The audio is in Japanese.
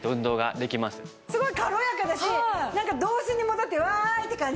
すごい軽やかだしなんか童心に戻ってわーいって感じね。